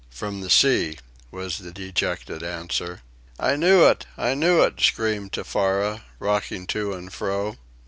"From the sea," was the dejected answer. "I knew it! I knew it!" screamed Tefara, rocking to and fro.